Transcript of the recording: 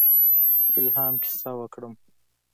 الهام کیسه وکړم.